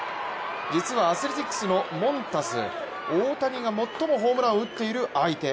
実はアスレチックスのモンタス大谷が最もホームランを打っている相手。